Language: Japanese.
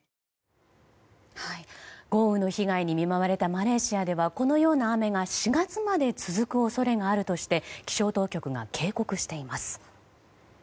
豪雨の被害に見舞われたマレーシアではこのような雨が４月まで続く恐れがあるとして気象当局が警告しています。